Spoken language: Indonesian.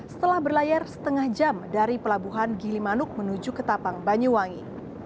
setelah berlayar setengah jam dari pelabuhan gili manuk menuju ke tapang banyuwangi